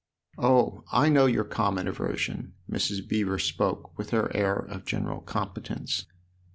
" Oh, I know your common aversion !" Mrs. Beever spoke with her air of general competence.